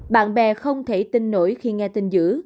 bạn bè không thể tin nổi khi nghe tin giữ